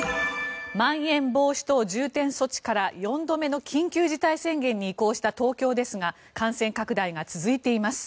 まん延防止等重点措置から４度目の緊急事態宣言に移行した東京ですが感染拡大が続いています。